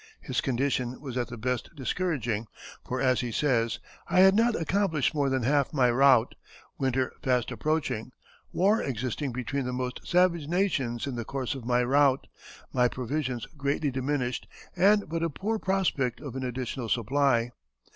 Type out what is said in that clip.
His condition was at the best discouraging, for as he says, "I had not accomplished more than half my route; winter fast approaching; war existing between the most savage nations in the course of my route; my provisions greatly diminished, and but a poor prospect of an additional supply.